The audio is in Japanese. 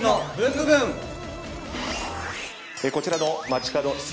こちらの街かど